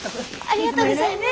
ありがとうございます。